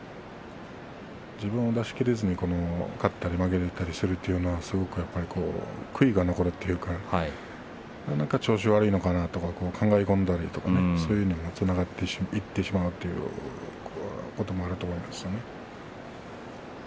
自分を出し切れずに勝ったり負けたりするというのはすごく悔いが残るというか何か調子悪いのかなとか考え込んだりとかそういうのにつながっていってしまうということもあると思いますね。